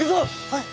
はい。